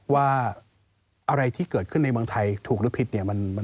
ว่าอะไรที่เกิดขึ้นในเมืองไทยถูกหรือผิดเนี่ย